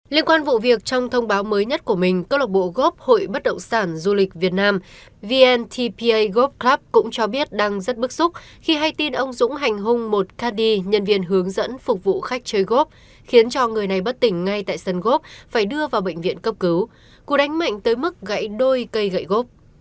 liên quan vụ việc trong thông báo mới nhất của mình cơ lộc bộ góp hội bất động sản du lịch việt nam vntpa golf club cũng cho biết đang rất bức xúc khi hay tin ông dũng hành hung một caddy nhân viên hướng dẫn phục vụ khách chơi golf khiến cho người này bất tỉnh ngay tại sân golf phải đưa vào bệnh viện cấp cứu cụ đánh mạnh tới mức gãy đôi cây gậy golf